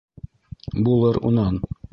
Булыр унан.